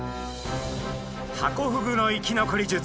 ハコフグの生き残り術